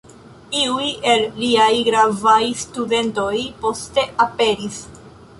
Iuj el liaj gravaj studentoj poste aperis.